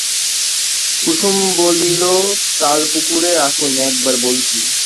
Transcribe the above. কুসুম বলিল, তালপুকুরে আসুন একবার, বলছি।